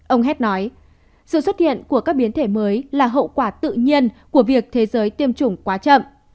ông hed nói sự xuất hiện của các biến thể mới là hậu quả tự nhiên của việc thế giới tiêm chủng quá chậm